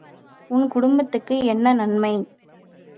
உன் குடும்பத்துக்கு என்ன நன்மை?